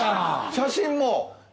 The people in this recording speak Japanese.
写真も。